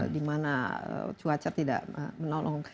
di mana cuaca tidak menolong